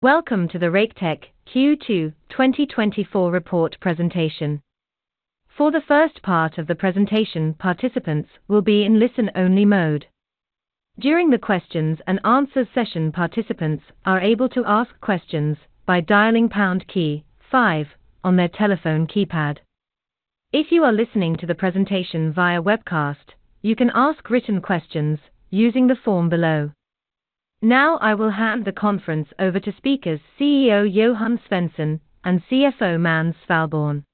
Welcome to the Raketech Q2 2024 Report Presentation. For the first part of the presentation, participants will be in listen-only mode. During the questions and answers session, participants are able to ask questions by dialing pound key five on their telephone keypad. If you are listening to the presentation via webcast, you can ask written questions using the form below. Now, I will hand the conference over to speakers, CEO Johan Svensson and CFO Måns Svalborn.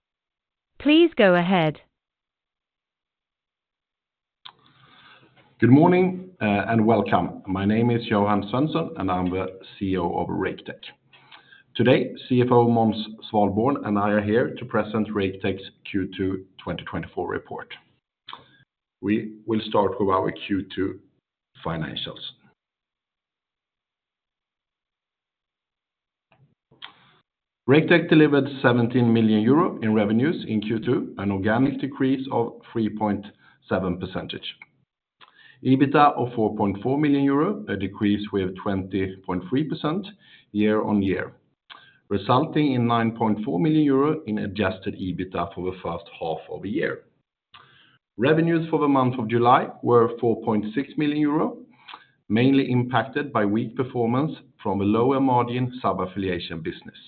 Please go ahead. Good morning, and welcome. My name is Johan Svensson, and I'm the CEO of Raketech. Today, CFO Måns Svalborn, and I are here to present Raketech's Q2 2024 report. We will start with our Q2 financials. Raketech delivered 17 million euro in revenues in Q2, an organic decrease of 3.7%. EBITDA of 4.4 million euro, a decrease with 20.3% year-on-year, resulting in 9.4 million euro in adjusted EBITDA for the first half of the year. Revenues for the month of July were 4.6 million euro, mainly impacted by weak performance from a lower-margin sub-affiliation business.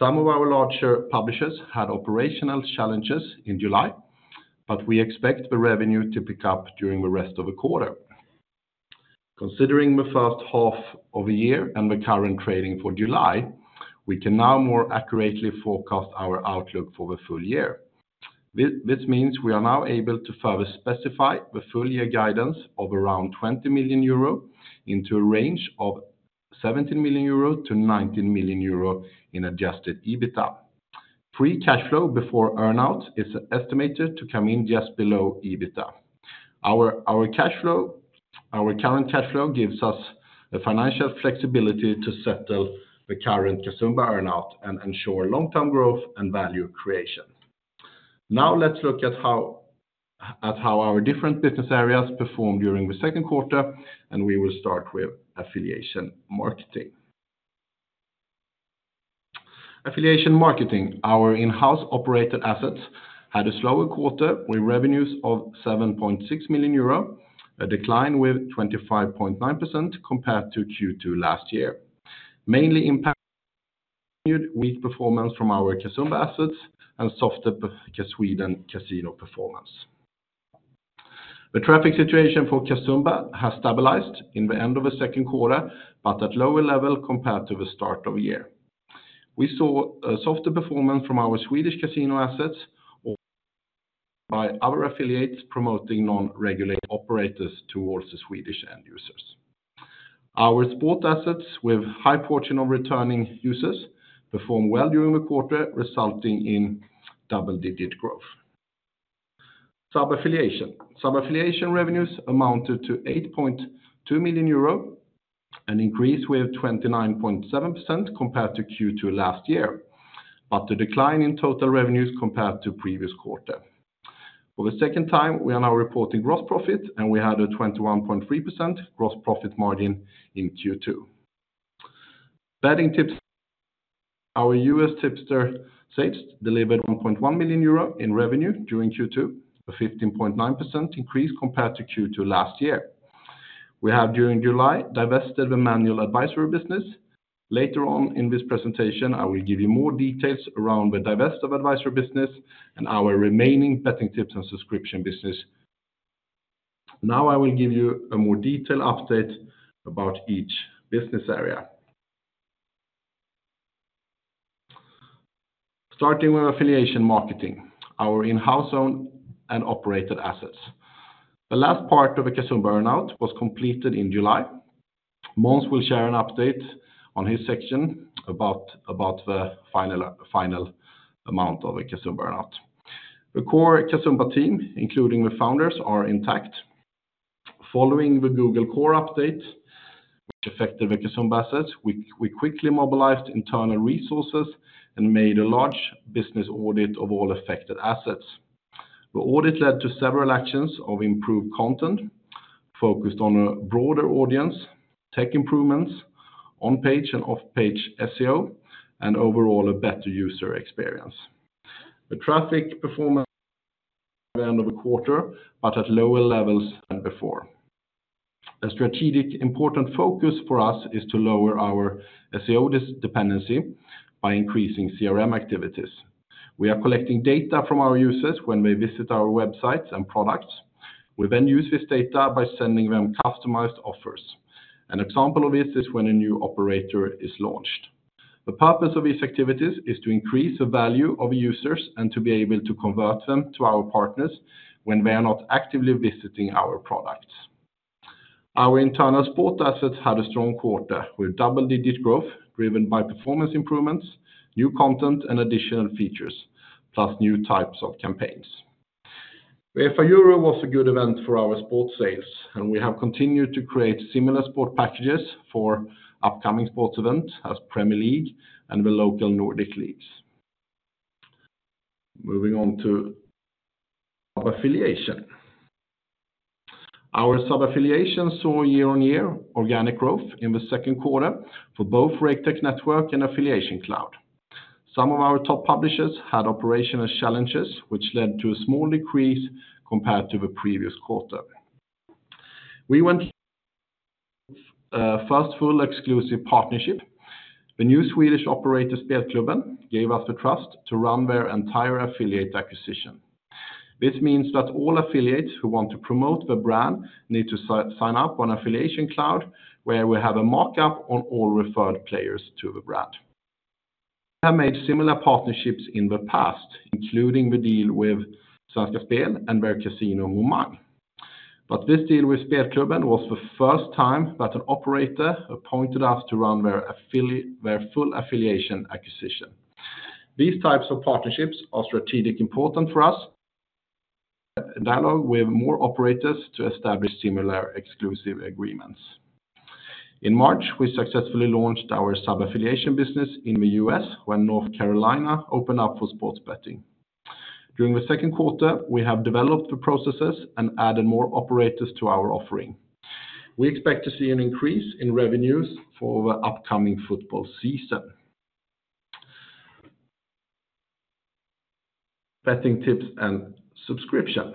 Some of our larger publishers had operational challenges in July, but we expect the revenue to pick up during the rest of the quarter. Considering the first half of the year and the current trading for July, we can now more accurately forecast our outlook for the full year. This means we are now able to further specify the full year guidance of around 20 million euro into a range of 17 million-19 million euro in Adjusted EBITDA. Free cash flow before earn-out is estimated to come in just below EBITDA. Our current cash flow gives us the financial flexibility to settle the current Casumba earn-out and ensure long-term growth and value creation. Now, let's look at how our different business areas performed during the second quarter, and we will start with affiliation marketing. Affiliation marketing. Our in-house operated assets had a slower quarter, with revenues of 7.6 million euro, a decline with 25.9% compared to Q2 last year, mainly impacted by weak performance from our Casumba assets and softer Swedish casino performance. The traffic situation for Casumba has stabilized in the end of the second quarter, but at lower level compared to the start of the year. We saw a softer performance from our Swedish casino assets or by our affiliates promoting non-regulated operators towards the Swedish end users. Our sport assets, with high portion of returning users, performed well during the quarter, resulting in double-digit growth. Sub-affiliation. Sub-affiliation revenues amounted to 8.2 million euro, an increase with 29.7% compared to Q2 last year, but a decline in total revenues compared to previous quarter. For the second time, we are now reporting gross profit, and we had a 21.3% gross profit margin in Q2. Betting tips, our US tipster sales delivered 1.1 million euro in revenue during Q2, a 15.9% increase compared to Q2 last year. We have, during July, divested the manual advisory business. Later on in this presentation, I will give you more details around the divest of advisory business and our remaining betting tips and subscription business. Now, I will give you a more detailed update about each business area. Starting with affiliation marketing, our in-house owned and operated assets. The last part of the Casumba earn-out was completed in July. Måns will share an update on his section about the final amount of the Casumba earn-out. The core Casumba team, including the founders, are intact. Following the Google Core update, which affected the Casumba assets, we quickly mobilized internal resources and made a large business audit of all affected assets. The audit led to several actions of improved content focused on a broader audience, tech improvements, on-page and off-page SEO, and overall, a better user experience. The traffic performance the end of the quarter, but at lower levels than before. A strategic important focus for us is to lower our SEO dependency by increasing CRM activities. We are collecting data from our users when they visit our websites and products. We then use this data by sending them customized offers. An example of this is when a new operator is launched. The purpose of these activities is to increase the value of users and to be able to convert them to our partners when they are not actively visiting our products. Our internal sport assets had a strong quarter, with double-digit growth driven by performance improvements, new content, and additional features, plus new types of campaigns. UEFA Euro was a good event for our sports sales, and we have continued to create similar sport packages for upcoming sports events as Premier League and the local Nordic leagues... Moving on to sub-affiliation. Our sub-affiliation saw year-on-year organic growth in the second quarter for both Raketech Network and Affiliation Cloud. Some of our top publishers had operational challenges, which led to a small decrease compared to the previous quarter. We went first full exclusive partnership. The new Swedish operator, Spelklubben, gave us the trust to run their entire affiliate acquisition. This means that all affiliates who want to promote the brand need to sign up on Affiliation Cloud, where we have a mock-up on all referred players to the brand. We have made similar partnerships in the past, including the deal with Svenska Spel and their casino, Momang. But this deal with Spelklubben was the first time that an operator appointed us to run their their full affiliation acquisition. These types of partnerships are strategic important for us, dialogue with more operators to establish similar exclusive agreements. In March, we successfully launched our sub-affiliation business in the U.S., when North Carolina opened up for sports betting. During the second quarter, we have developed the processes and added more operators to our offering. We expect to see an increase in revenues for the upcoming football season. Betting tips and subscription.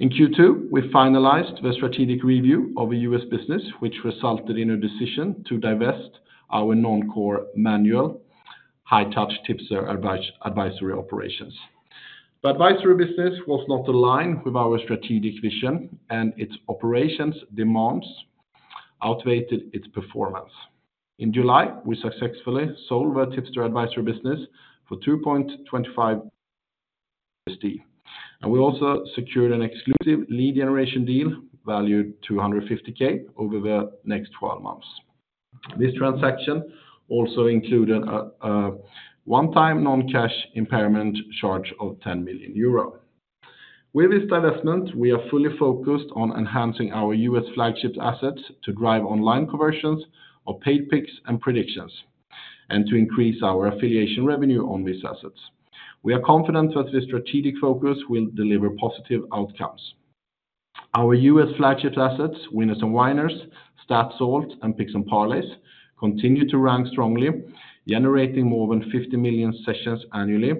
In Q2, we finalized the strategic review of the U.S. business, which resulted in a decision to divest our non-core manual, high-touch tipster advisory operations. The advisory business was not aligned with our strategic vision, and its operations demands outweighed its performance. In July, we successfully sold our tipster advisory business for $2.25, and we also secured an exclusive lead generation deal valued $250K over the next 12 months. This transaction also included a one-time non-cash impairment charge of 10 million euro. With this divestment, we are fully focused on enhancing our US flagship assets to drive online conversions of paid picks and predictions, and to increase our affiliation revenue on these assets. We are confident that this strategic focus will deliver positive outcomes. Our US flagship assets, Winners and Whiners, Statsalt, and Picks and Parlays, continue to rank strongly, generating more than 50 million sessions annually,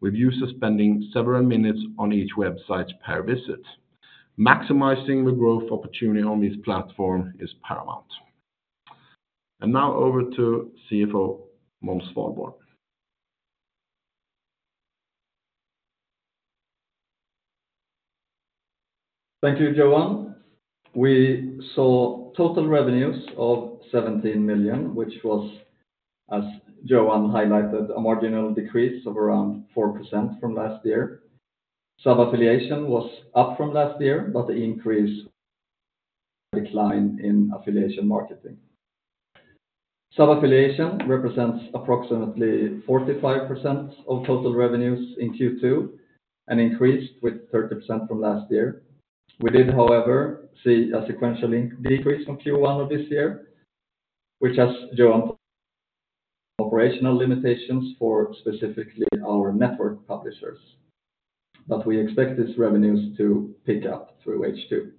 with users spending several minutes on each website per visit. Maximizing the growth opportunity on this platform is paramount. Now over to CFO, Måns Svalborn. Thank you, Johan. We saw total revenues of 17 million, which was, as Johan highlighted, a marginal decrease of around 4% from last year. Sub-affiliation was up from last year, but the increase decline in affiliation marketing. Sub-affiliation represents approximately 45% of total revenues in Q2 and increased with 30% from last year. We did, however, see a sequential decrease from Q1 of this year, which as Johan, operational limitations for specifically our network publishers, but we expect these revenues to pick up through H2.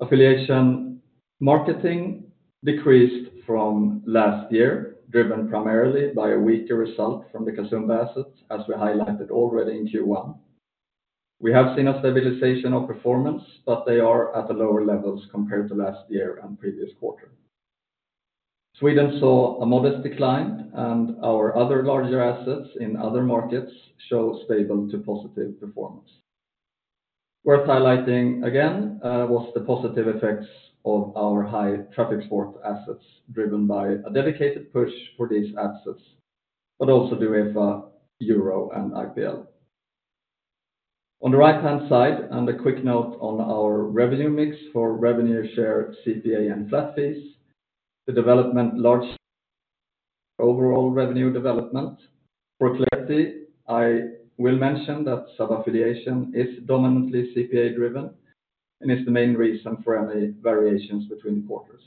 Affiliation marketing decreased from last year, driven primarily by a weaker result from the Casumba assets, as we highlighted already in Q1. We have seen a stabilization of performance, but they are at the lower levels compared to last year and previous quarter. Sweden saw a modest decline, and our other larger assets in other markets show stable to positive performance. Worth highlighting again, was the positive effects of our high traffic sport assets, driven by a dedicated push for these assets, but also the UEFA Euro and IPL. On the right-hand side, and a quick note on our revenue mix for revenue share, CPA, and flat fees, the development large overall revenue development. For clarity, I will mention that sub-affiliation is dominantly CPA-driven and is the main reason for any variations between quarters.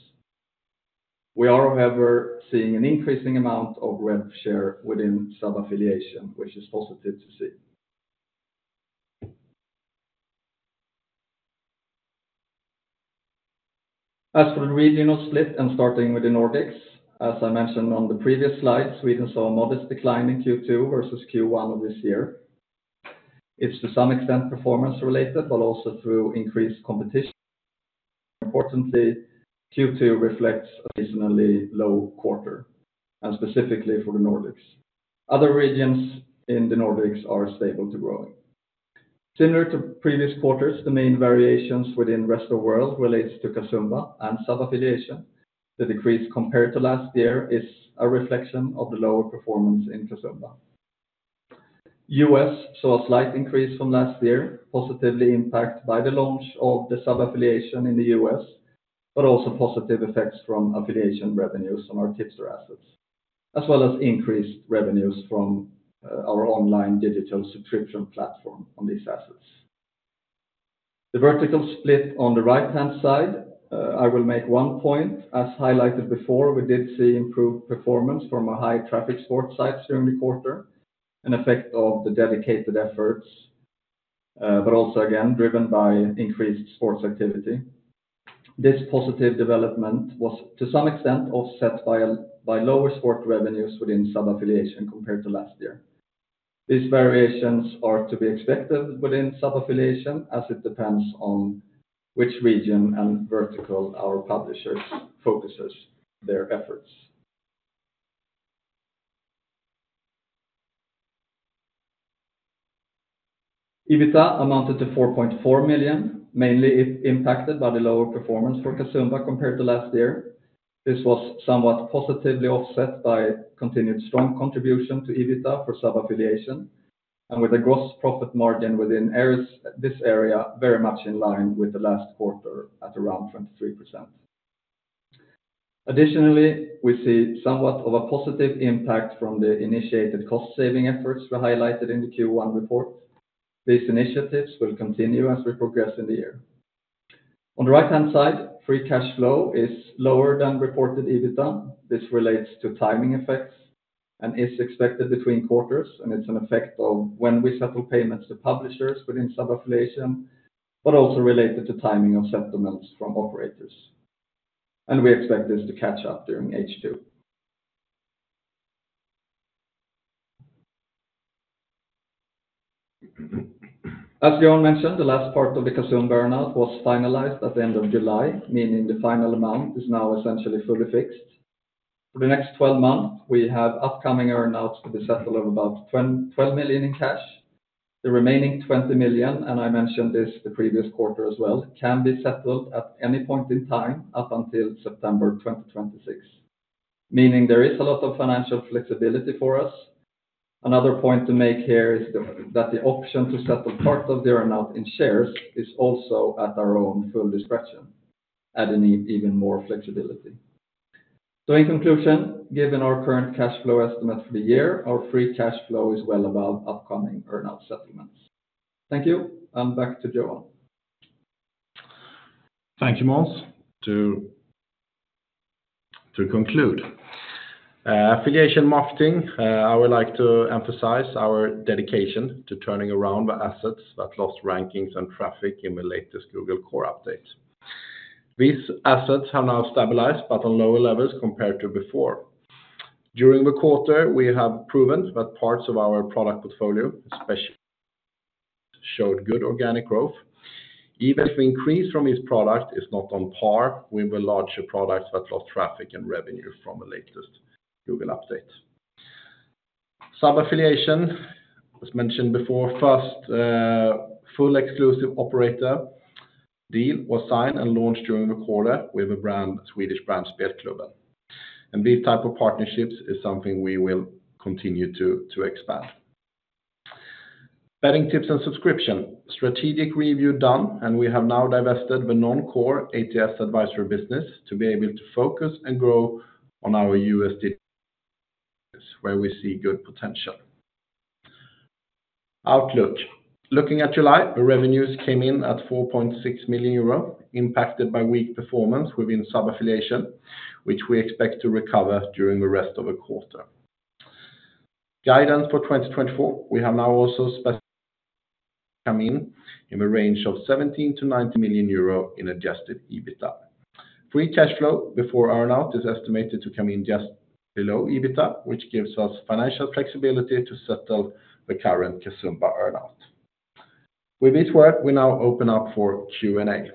We are, however, seeing an increasing amount of rev share within sub-affiliation, which is positive to see. As for the regional split and starting with the Nordics, as I mentioned on the previous slide, Sweden saw a modest decline in Q2 versus Q1 of this year. It's to some extent performance-related, but also through increased competition. Importantly, Q2 reflects a seasonally low quarter, and specifically for the Nordics. Other regions in the Nordics are stable to growing. Similar to previous quarters, the main variations within Rest of World relates to Casumba and sub-affiliation. The decrease compared to last year is a reflection of the lower performance in Casumba. US saw a slight increase from last year, positively impacted by the launch of the sub-affiliation in the U.S., but also positive effects from affiliation revenues on our tipster assets, as well as increased revenues from our online digital subscription platform on these assets. The vertical split on the right-hand side, I will make one point. As highlighted before, we did see improved performance from a high traffic sports sites during the quarter, an effect of the dedicated efforts, but also again, driven by increased sports activity. This positive development was, to some extent, offset by lower sport revenues within sub-affiliation compared to last year. These variations are to be expected within sub-affiliation, as it depends on which region and vertical our publishers focuses their efforts. EBITDA amounted to 4.4 million, mainly it impacted by the lower performance for Casumba compared to last year. This was somewhat positively offset by continued strong contribution to EBITDA for sub-affiliation, and with a gross profit margin within areas, this area very much in line with the last quarter at around 23%. Additionally, we see somewhat of a positive impact from the initiated cost-saving efforts we highlighted in the Q1 report. These initiatives will continue as we progress in the year. On the right-hand side, free cash flow is lower than reported EBITDA. This relates to timing effects and is expected between quarters, and it's an effect of when we settle payments to publishers within sub-affiliation, but also related to timing of settlements from operators. We expect this to catch up during H2. As Johan mentioned, the last part of the Casumba earn-out was finalized at the end of July, meaning the final amount is now essentially fully fixed. For the next 12 months, we have upcoming earn-outs to be settled of about 12 million in cash. The remaining 20 million, and I mentioned this the previous quarter as well, can be settled at any point in time, up until September 2026, meaning there is a lot of financial flexibility for us. Another point to make here is that the option to settle parts of the earn-out in shares is also at our own full discretion, adding even more flexibility. In conclusion, given our current cash flow estimate for the year, our free cash flow is well above upcoming earn-out settlements. Thank you, and back to Johan. Thank you, Måns. To conclude, affiliation marketing, I would like to emphasize our dedication to turning around the assets that lost rankings and traffic in the latest Google Core update. These assets have now stabilized, but on lower levels compared to before. During the quarter, we have proven that parts of our product portfolio, especially showed good organic growth. Even if we increase from this product, it's not on par with the larger products that lost traffic and revenue from the latest Google update. Sub-affiliation, as mentioned before, first full exclusive operator deal was signed and launched during the quarter with a brand, Swedish brand, Spelklubben. And these type of partnerships is something we will continue to expand. Betting tips and subscription. Strategic review done, and we have now divested the non-core ATS advisory business to be able to focus and grow on our USD, where we see good potential. Outlook. Looking at July, the revenues came in at 4.6 million euro, impacted by weak performance within sub-affiliation, which we expect to recover during the rest of the quarter. Guidance for 2024, we have now also specified, come in, in the range of 17-19 million euro in adjusted EBITDA. Free cash flow before earn-out is estimated to come in just below EBITDA, which gives us financial flexibility to settle the current Casumba earn-out. With this work, we now open up for Q&A.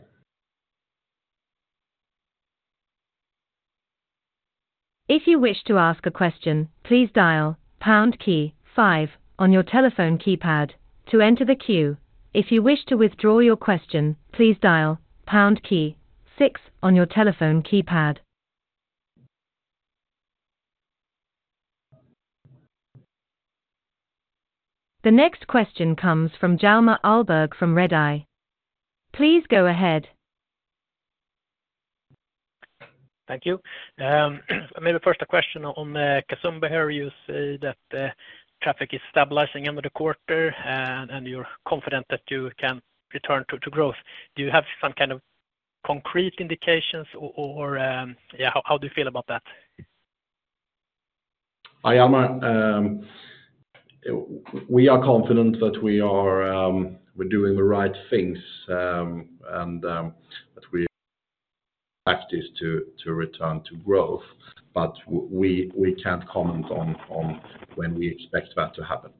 If you wish to ask a question, please dial pound key five on your telephone keypad to enter the queue. If you wish to withdraw your question, please dial pound key six on your telephone keypad. The next question comes from Hjalmar Ahlberg from Redeye. Please go ahead. Thank you. Maybe first a question on the Casumba here. You say that traffic is stabilizing end of the quarter, and you're confident that you can return to growth. Do you have some kind of concrete indications or yeah, how do you feel about that? I am, we are confident that we are, we're doing the right things, and, that we practice to return to growth, but we, we can't comment on when we expect that to happen.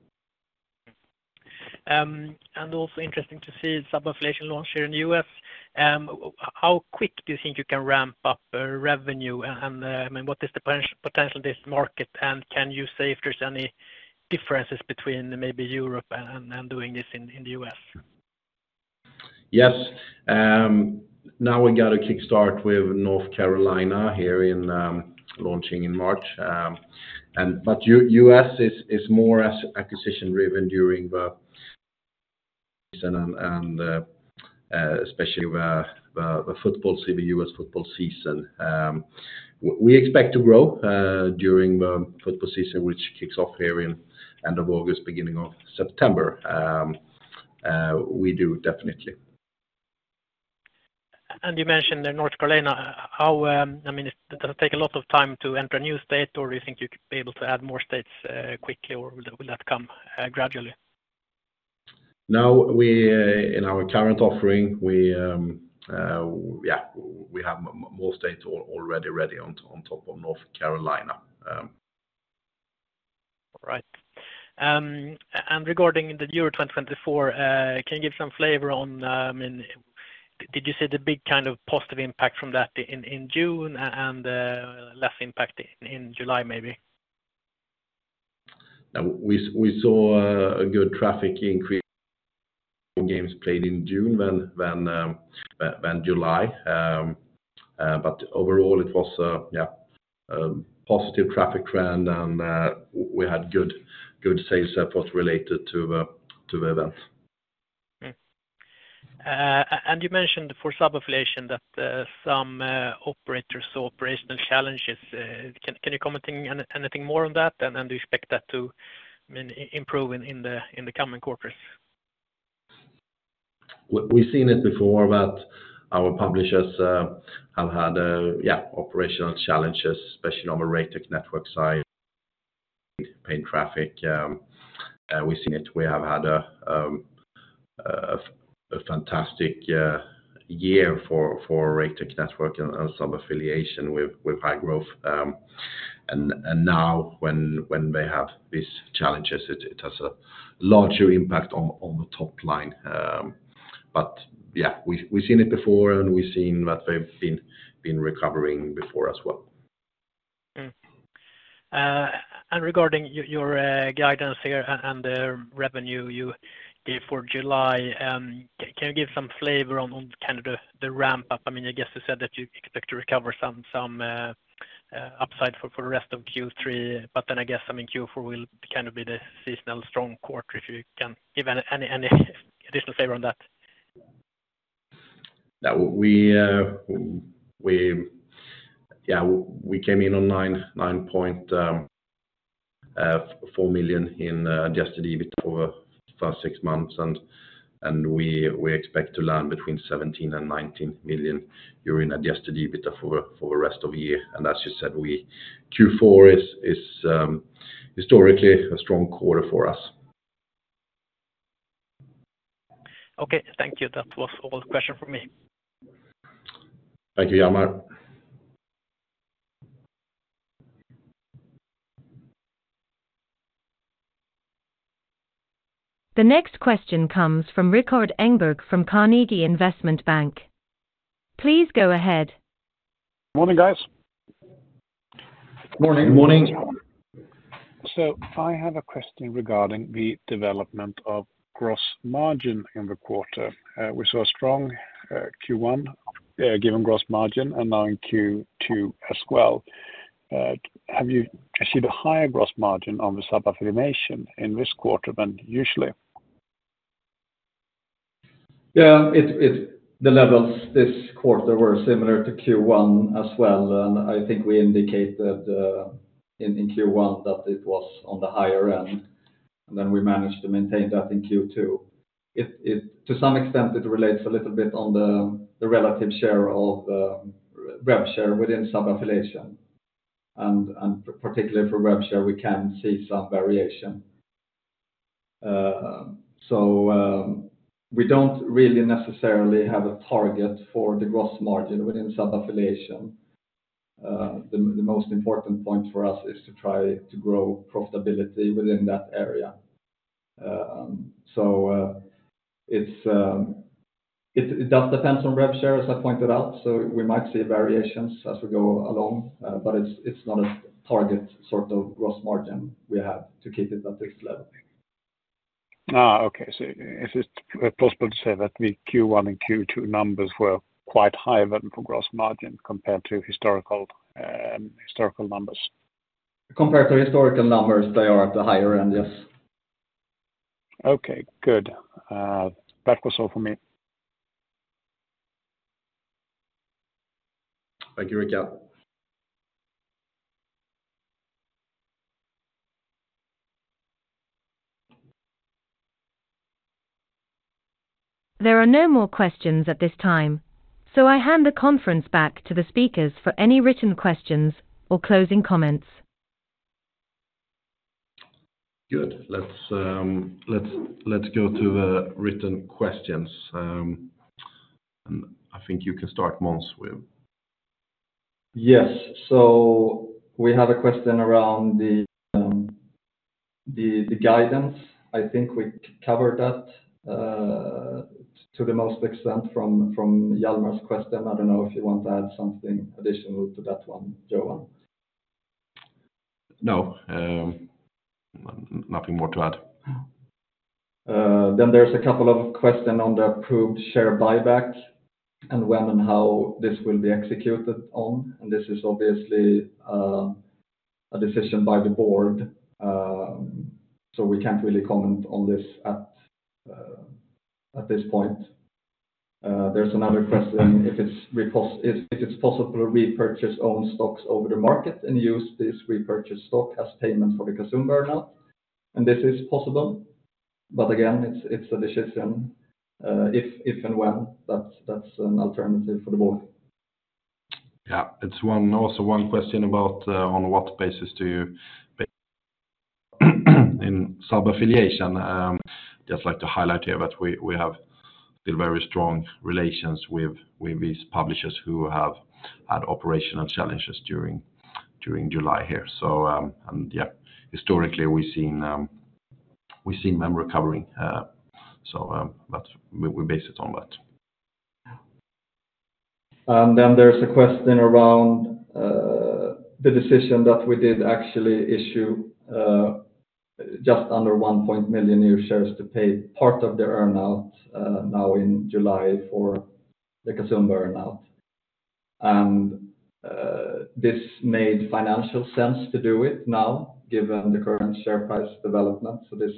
Also interesting to see sub-affiliation launch here in the US. How quick do you think you can ramp up revenue, and what is the potential of this market, and can you say if there's any differences between maybe Europe and doing this in the US? Yes. Now we got a kickstart with North Carolina here in launching in March, and but U.S. is more as acquisition-driven during the and especially the U.S. football season. We expect to grow during the football season, which kicks off here in end of August, beginning of September. We do, definitely. And you mentioned North Carolina, how, I mean, does it take a lot of time to enter a new state, or you think you could be able to add more states, quickly, or will that, will that come, gradually? Now, we in our current offering, we, yeah, we have more states already on top of North Carolina. All right. Regarding the Euro 2024, can you give some flavor on, I mean, did you see the big kind of positive impact from that in June and less impact in July, maybe? Yeah, we saw a good traffic increase in games played in June than July. But overall it was yeah, positive traffic trend, and we had good sales support related to the event. And you mentioned for sub-affiliation that some operators saw operational challenges. Can you comment anything more on that, and do you expect that to, I mean, improve in the coming quarters? We've seen it before that our publishers have had operational challenges, especially on the Raketech Network side, paid traffic. We've seen it. We have had a fantastic year for Raketech Network and some affiliation with high growth. And now, when they have these challenges, it has a larger impact on the top line. But we've seen it before, and we've seen that they've been recovering before as well. Regarding your guidance here and the revenue you gave for July, can you give some flavor on kind of the ramp-up? I mean, I guess you said that you expect to recover some upside for the rest of Q3, but then I guess, I mean, Q4 will kind of be the seasonal strong quarter, if you can give any additional flavor on that. Yeah. We came in on 9.4 million in adjusted EBITDA for first six months, and we expect to land between 17 million and 19 million in adjusted EBITDA for the rest of the year. And as you said, Q4 is historically a strong quarter for us. Okay, thank you. That was all the question for me. Thank you, Hjalmar. The next question comes from Rikard Engberg, from Carnegie Investment Bank. Please go ahead. Morning, guys. Morning. Morning. I have a question regarding the development of gross margin in the quarter. We saw a strong Q1 given gross margin and now in Q2 as well. Have you received a higher gross margin on the sub-affiliation in this quarter than usually? Yeah, the levels this quarter were similar to Q1 as well, and I think we indicated in Q1 that it was on the higher end, and then we managed to maintain that in Q2. To some extent, it relates a little bit on the relative share of revshare within sub-affiliation. Particularly for revshare, we can see some variation. We don't really necessarily have a target for the gross margin within sub-affiliation. The most important point for us is to try to grow profitability within that area. It does depend on revshare, as I pointed out, so we might see variations as we go along, but it's not a target sort of gross margin we have to keep it at this level. Ah, okay. So is it possible to say that the Q1 and Q2 numbers were quite high even for gross margin, compared to historical, historical numbers? Compared to historical numbers, they are at the higher end, yes. Okay, good. That was all for me. Thank you, Rikard. There are no more questions at this time, so I hand the conference back to the speakers for any written questions or closing comments. Good. Let's go to the written questions. And I think you can start, Måns, with... Yes. So we have a question around the guidance. I think we covered that to the most extent from Hjalmar's question. I don't know if you want to add something additional to that one, Johan. No, nothing more to add. Then there's a couple of questions on the approved share buyback, and when and how this will be executed, and this is obviously a decision by the board, so we can't really comment on this at this point. There's another question, if it's possible to repurchase own stocks over the market and use this repurchase stock as payment for the Casumba earn-out, and this is possible, but again, it's a decision if and when, that's an alternative for the board. Yeah. It's one, also one question about on what basis do you in sub-affiliation. Just like to highlight here that we have still very strong relations with these publishers who have had operational challenges during July here. So, and yeah, historically, we've seen them recovering, so, but we base it on that. Yeah. And then there's a question around the decision that we did actually issue just under 1 million new shares to pay part of their earn-out now in July for the Casumba earn-out. And this made financial sense to do it now, given the current share price development. So this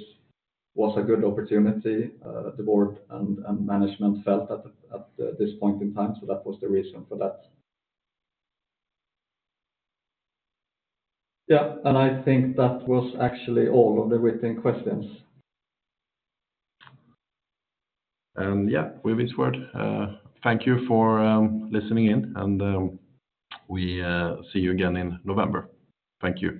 was a good opportunity the board and management felt at this point in time, so that was the reason for that. Yeah, and I think that was actually all of the written questions. Yeah, with this word, thank you for listening in, and we see you again in November. Thank you.